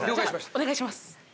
お願いします。